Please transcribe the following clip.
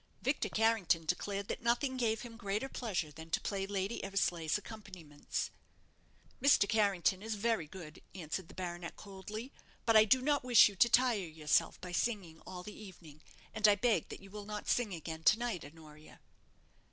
Victor Carrington declared that nothing gave him greater pleasure than to play Lady Eversleigh's accompaniments. "Mr. Carrington is very good," answered the baronet, coldly, "but I do not wish you to tire yourself by singing all the evening; and I beg that you will not sing again to night, Honoria."